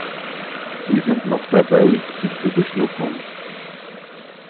Sie sind noch dabei, sich zu beschnuppern.